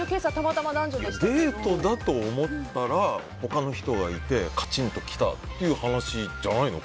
デートだと思ったら他の人がいてカチンときたという話じゃないの？